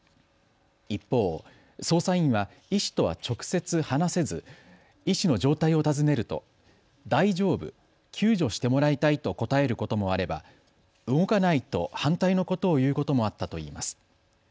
一方、捜査員は医師とは直接話せず医師の状態を尋ねると大丈夫、救助してもらいたいと答えることもあれば、動かないと反対のことを言うこともあったといいます。